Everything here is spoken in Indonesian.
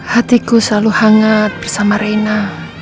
hatiku selalu hangat bersama reina